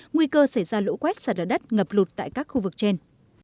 nguy cơ xảy ra lũ quét sạt ở đất ngập lụt tại các khu vực trên